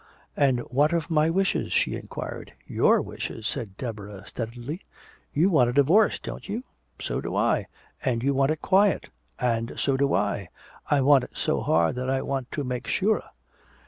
"And what of my wishes?" she inquired. "Your wishes," said Deborah steadily. "You want a divorce, don't you so do I. And you want it quiet and so do I. I want it so hard that I want to make sure."